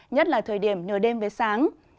nhất là thời điểm nửa đêm với sáng